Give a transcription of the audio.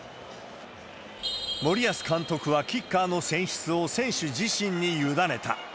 森保監督はキッカーの選出を選手自身に委ねた。